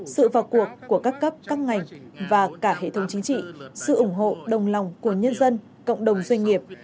sự vào cuộc của các cấp các ngành và cả hệ thống chính trị sự ủng hộ đồng lòng của nhân dân cộng đồng doanh nghiệp